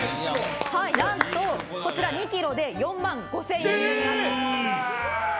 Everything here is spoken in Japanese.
何と、２ｋｇで４万５０００円になります。